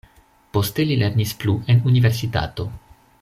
Poste li lernis plu en universitato.